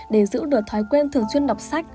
để giữ được thói quen thường chuyên đọc sách